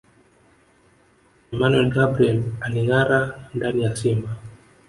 Emmanuel Gabriel Alingâara ndani ya Simba